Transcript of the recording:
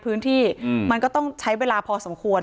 พื้นที่มันก็ต้องใช้เวลาพอสมควร